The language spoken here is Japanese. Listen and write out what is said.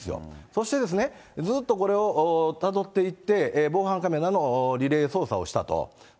そしてですね、ずっとこれをたどっていって、防犯カメラのリレー捜査をしたと。